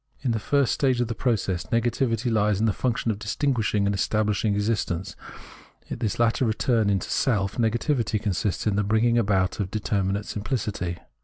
In the first stage of the pro Preface 51 cess negativity lies in the function of distinguishing and estabhshing existence ; in this latter return into self, negativity consists in the bringing about of de terminate simplicity.